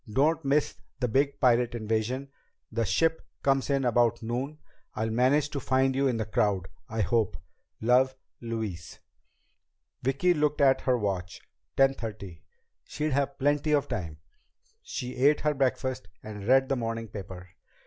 Don't miss the big pirate invasion. The ship comes in about noon. I'll manage to find you in the crowd I hope. Love, Louise." Vicki looked at her watch. Ten thirty. She'd have plenty of time. She ate her breakfast and read the morning paper.